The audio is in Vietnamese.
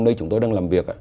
nơi chúng tôi đang làm việc